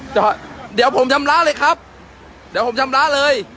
เดี๋ยวผมชำระเลยครับเดี๋ยวผมชำระเลย